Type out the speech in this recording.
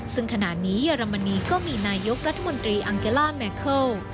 ซึ่งขณะนี้เยอรมนีก็มีนายกรัฐมนตรีอังเกล่าแมเคิล